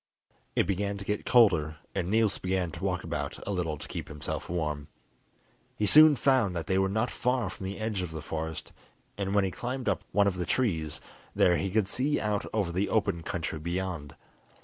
It began to get colder, and Niels began to walk about a little to keep himself warm. He soon found that they were not far from the edge of the forest, and when he climbed up one of the trees there he could see out over the open country beyond.